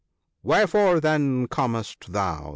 " Wherefore, then, comest thou